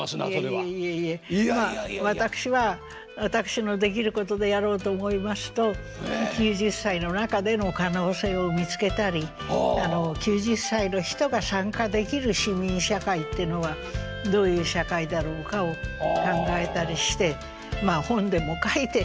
まあ私は私のできることでやろうと思いますと９０歳の中での可能性を見つけたり９０歳の人が参加できる市民社会ってのはどういう社会だろうかを考えたりしてまあ本でも書いて。